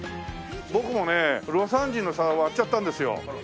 僕もね魯山人の皿割っちゃったんですよ。